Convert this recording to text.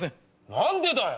何でだよ？